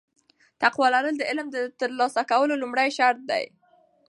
تقوا لرل د علم د ترلاسه کولو لومړی شرط دی.